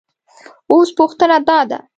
اوس پوښتنه دا ده